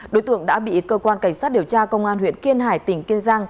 đối tượng đã bị cơ quan cảnh sát điều tra công an huyện kiên hải tỉnh kiên giang